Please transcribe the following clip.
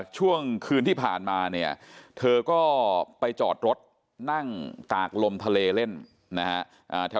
ช่วงคืนที่ผ่านมาเนี่ยเธอก็ไปจอดรถนั่งตากลมทะเลเล่นนะฮะ